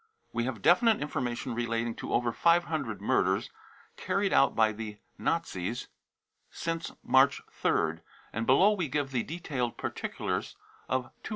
We have definite infor mation relating to over 500 murders carried out by the Nazis since March 3rd, and below we give the detailed particulars of 250.